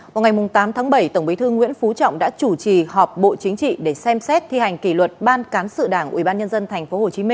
vào ngày tám tháng bảy tổng bí thư nguyễn phú trọng đã chủ trì họp bộ chính trị để xem xét thi hành kỷ luật ban cán sự đảng ubnd tp hcm